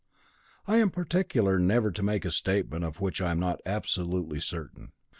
I am particular never to make a statement of which I am not absolutely certain.